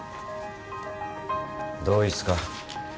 同一か？